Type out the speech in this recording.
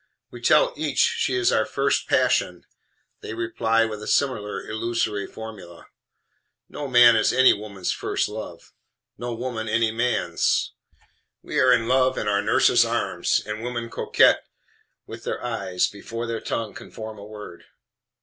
We tell each she is our first passion. They reply with a similar illusory formula. No man is any woman's first love; no woman any man's. We are in love in our nurse's arms, and women coquette with their eyes before their tongue can form a word.